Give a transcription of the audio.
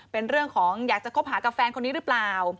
เป็นเรื่องของอยากจะคบหากับแฟนคนนี้หรือเปล่า